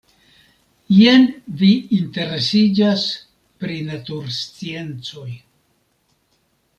Jen vi interesiĝas pri natursciencoj.